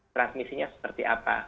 transmisinya seperti apa